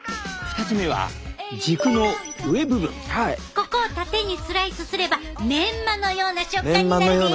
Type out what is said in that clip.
ここを縦にスライスすればメンマのような食感になるで。